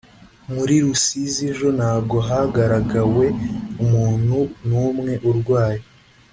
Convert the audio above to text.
muri rusizi ejo ntago hagaragawe umuntu numwe urwaye